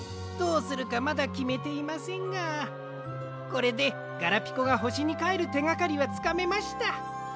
どうするかまだきめていませんがこれでガラピコがほしにかえるてがかりはつかめました。